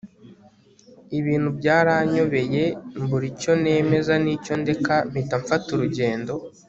ibintu byaranyobeye mbura icyo nemeza nicyo ndeka mpita mfata urugendo